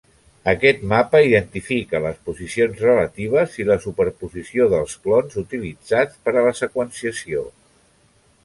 Aquest mapa identifica les posicions relatives i la superposició dels clons utilitzats per a la seqüenciació.